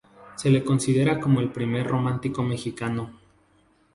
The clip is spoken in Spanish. Se le considera como el primer romántico mexicano.